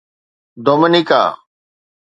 Dominica